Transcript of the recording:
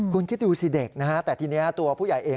คุณคิดดูสิเด็กนะฮะแต่ทีนี้ตัวผู้ใหญ่เอง